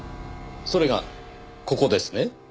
それがここですね？